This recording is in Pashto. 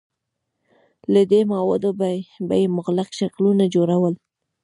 له دې موادو به یې مغلق شکلونه جوړول.